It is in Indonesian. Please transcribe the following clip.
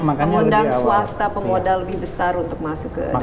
mengundang swasta pemodal lebih besar untuk masuk ke dalam